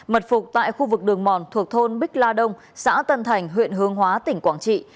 mật phục tại khu vực đường mòn thuộc thôn bích la đông xã tân thành huyện hướng hóa tỉnh quảng trị